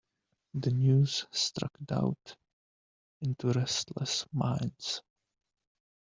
The news struck doubt into restless minds.